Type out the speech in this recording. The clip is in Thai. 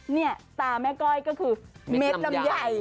เนี่ยตาแม่ก้อยก็คือเม็ดลำไย